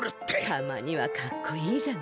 たまにはかっこいいじゃない。